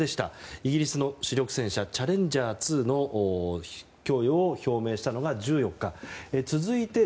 イギリスの主力戦車チャレンジャー２の供与を表明したのが１４日。